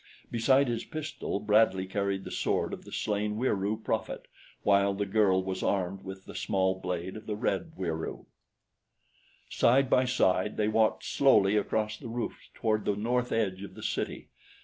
Besides his pistol Bradley carried the sword of the slain Wieroo prophet, while the girl was armed with the small blade of the red Wieroo. Side by side they walked slowly across the roofs toward the north edge of the city.